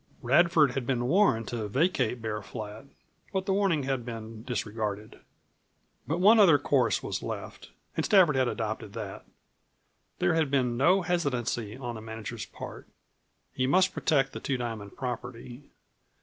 Radford had been warned to vacate Bear Flat, but the warning had been disregarded. But one other course was left, and Stafford had adopted that. There had been no hesitancy on the manager's part; he must protect the Two Diamond property.